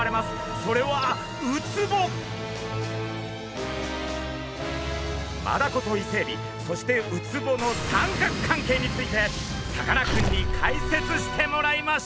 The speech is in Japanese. それはマダコとイセエビそしてウツボの三角関係についてさかなクンに解説してもらいましょう！